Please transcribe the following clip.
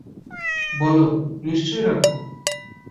বলো, নিশ্চয় রাখব।